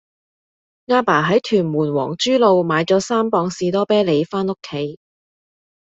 亞爸喺屯門皇珠路買左三磅士多啤梨返屋企